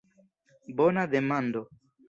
Bona demando!